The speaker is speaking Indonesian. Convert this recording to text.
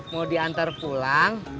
mau diantar pulang